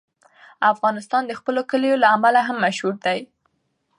افغانستان د خپلو کلیو له امله هم مشهور دی.